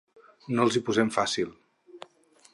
No els hi posem fàcil.